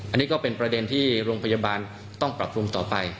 อันนี้ก็เป็นประเด็นที่โรงพยาบาลต้องปรับปรุงต่อไป